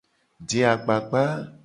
Je agbagba.